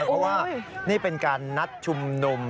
เพราะว่านี่เป็นการนัดชุมนุม